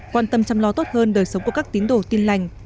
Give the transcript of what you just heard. quan tâm chăm lo tốt hơn đời sống của các tín đồ tin lành